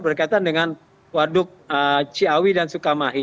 berkaitan dengan waduk ciawi dan sukamahi